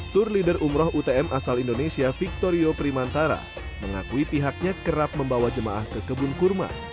tour leader umroh utm asal indonesia victorio primantara mengakui pihaknya kerap membawa jemaah ke kebun kurma